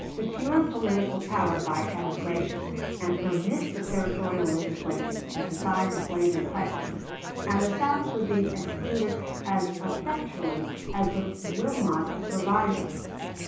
Secure political power by emigration, and permit the Territorial Legislatures to decide the slavery question, and the South would be excluded as effectually as by the Wilmot proviso.